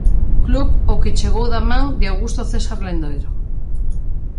Club ao que chegou da man de Augusto César Lendoiro.